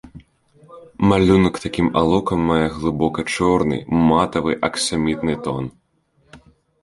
Малюнак такім алоўкам мае глыбока чорны, матавы, аксамітны тон.